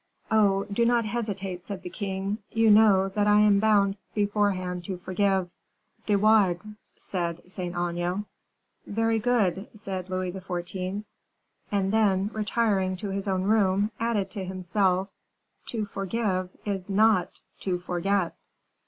"Oh! do not hesitate," said the king; "you know that I am bound beforehand to forgive." "De Wardes," said Saint Aignan. "Very good," said Louis XIV.; and then, retiring to his own room, added to himself, "To forgive is not to forget."